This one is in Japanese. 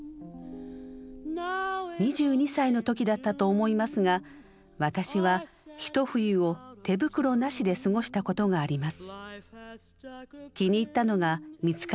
「二十二歳の時だったと思いますが、私はひと冬を手袋なしですごしたことがあります」。